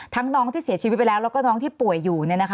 น้องที่เสียชีวิตไปแล้วแล้วก็น้องที่ป่วยอยู่